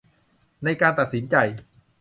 ในการตัดสินใจ